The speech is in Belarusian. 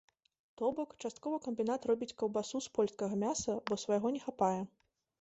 То бок, часткова камбінат робіць каўбасу з польскага мяса, бо свайго не хапае.